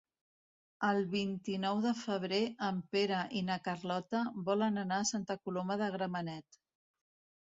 El vint-i-nou de febrer en Pere i na Carlota volen anar a Santa Coloma de Gramenet.